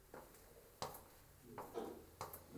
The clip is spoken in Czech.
Obsahuje několik sekcí.